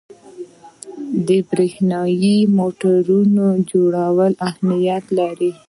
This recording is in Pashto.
د برېښنايي موټورونو جوړول اهمیت لري.